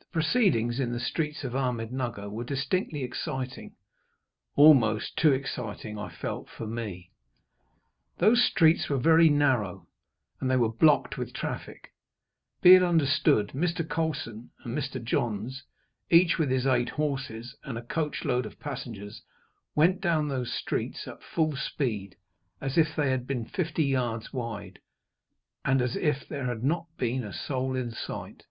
The proceedings, in the streets of Ahmednugger, were distinctly exciting almost too exciting, I felt, for me. Those streets were very narrow, and they were blocked with traffic, be it understood. Mr. Colson and Mr. Johns, each with his eight horses, and a coach load of passengers, went down those streets at full speed, as if they had been fifty yards wide, and as if there had not been a soul in sight.